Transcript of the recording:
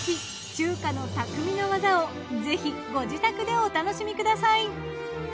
中華の匠の技をぜひご自宅でお楽しみください。